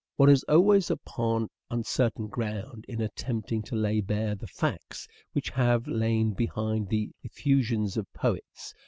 One is always upon uncertain ground in attempting to lay bare the facts which have lain behind the effusions of poets.